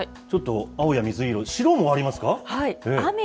ちょっと青や水色、白もありますか？